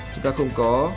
chúng ta không có